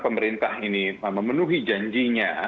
pemerintah ini memenuhi janjinya